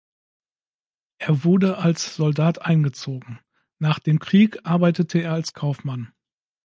Er wurde als Soldat eingezogen; nach dem Krieg arbeitete er als Kaufmann.